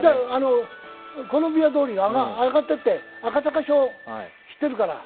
コロンビア通りに上がっていって、赤坂署知っているから。